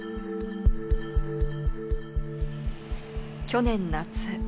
去年夏。